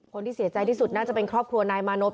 คนที่เสียใจที่สุดน่าจะเป็นครอบครัวนายมานพ